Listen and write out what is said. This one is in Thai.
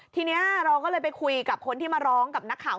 ทีนี้เราก็เลยไปคุยกับคนที่มาร้องกับนักข่าว